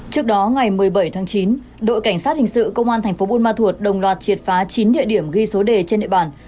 trước đó ngày một mươi bảy tháng chín đội cảnh sát hình sự công an thành phố buôn ma thuột đồng loạt triệt phá chín địa điểm ghi số đề trên địa bàn